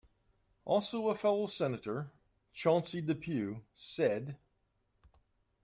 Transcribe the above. Also a fellow Senator, Chauncey Depew, said.